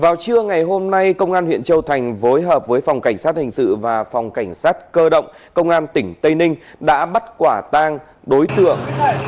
vào trưa ngày hôm nay công an huyện châu thành phối hợp với phòng cảnh sát hình sự và phòng cảnh sát cơ động công an tỉnh tây ninh đã bắt quả tang đối tượng